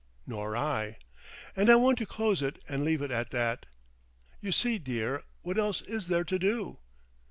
"Nor I." "And I want to close it and leave it at that. You see, dear, what else is there to do?"